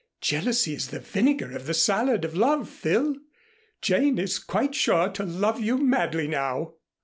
Jealousy is the vinegar of the salad of love, Phil. Jane is quite sure to love you madly now."